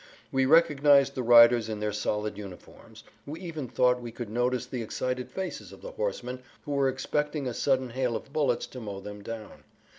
We recognized the riders in their solid uniforms, we even thought we could notice the excited faces of the horsemen who were expecting a sudden hail of bullets to mow them down.